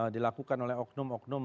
dilakukan oleh oknum oknum